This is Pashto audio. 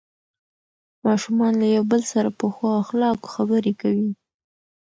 ماشومان له یو بل سره په ښو اخلاقو خبرې کوي